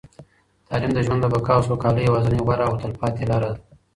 تعلیم د ژوند د بقا او سوکالۍ یوازینۍ، غوره او تلپاتې لاره ده.